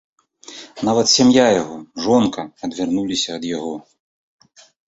Нават сям'я яго, жонка, адвярнулася ад яго.